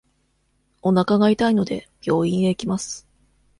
おなかが痛いので、病院へ行きます。